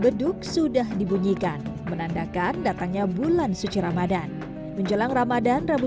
beduk sudah dibunyikan menandakan datangnya bulan suci ramadhan menjelang ramadhan rabu